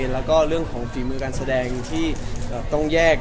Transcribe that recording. แล้วก็เรื่องของฝีมือการแสดงที่ต้องแยก